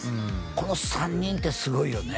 この３人ってすごいよね